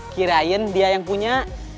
kirain dia yang punya